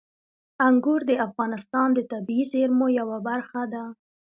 انګور د افغانستان د طبیعي زیرمو یوه برخه ده.